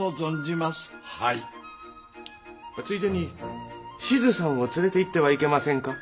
ついでに志津さんを連れていってはいけませんか？